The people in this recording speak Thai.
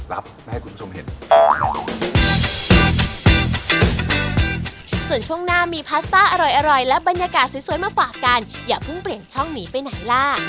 รับไม่ให้คุณผู้ชมเห็น